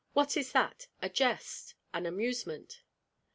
What is that? a jest, an amusement.